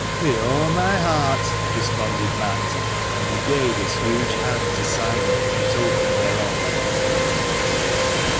" Wi' o' my heart !" responded Matt ; and he gave his huge hand to Simon in token thereof.